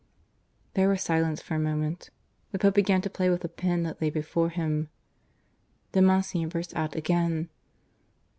There was silence for a moment. The Pope began to play with a pen that lay before him. Then Monsignor burst out again.